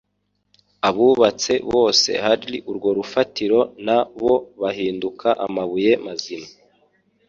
abubatswe bose hurl urwo rufatiro na bo bahinduka amabuye mazima.